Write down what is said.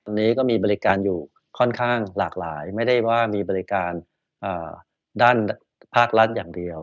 ตอนนี้ก็มีบริการอยู่ค่อนข้างหลากหลายไม่ได้ว่ามีบริการด้านภาครัฐอย่างเดียว